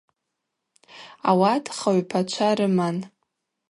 Ауат хыгӏвпачва рыман.